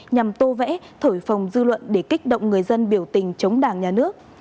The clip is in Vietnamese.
nhằm tô vẽ thổi phồng dư luận để kích động người dân biểu tình chống đảng nhà nước